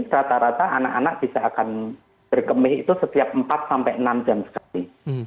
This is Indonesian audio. rata rata anak anak bisa akan berkemih itu setiap empat sampai enam jam sekali